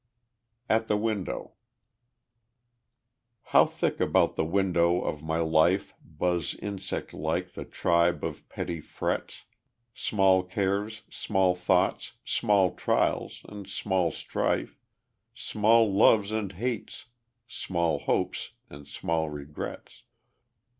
At the Window How thick about the window of my life Buzz insect like the tribe of petty frets: Small cares, small thoughts, small trials, and small strife, Small loves and hates, small hopes and small regrets.